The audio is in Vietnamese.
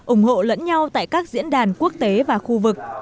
ủng hộ lẫn nhau tại các diễn đàn quốc tế và khu vực